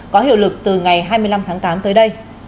có hiệu lực từ ngày hai mươi năm tháng tám tới đây